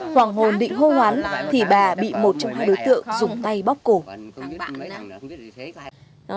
hoàng hồn bị hô hoán thì bà bị một trong hai đối tượng dùng tay bóc cổ